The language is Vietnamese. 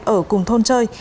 ở cùng thôn chơi